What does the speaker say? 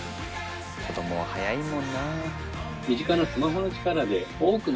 子どもは早いもんな。